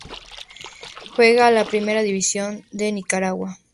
Juega en la Primera División de Nicaragua.